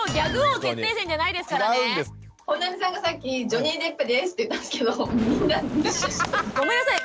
今日本並さんがさっき「ジョニー・デップです」って言ったんですけどごめんなさい。